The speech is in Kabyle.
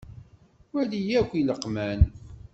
Wali akk ileqman.